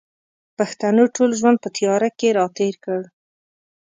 پښتنو ټول ژوند په تیاره کښې را تېر کړ